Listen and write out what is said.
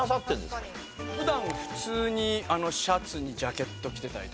普段普通にシャツにジャケット着てたりとか。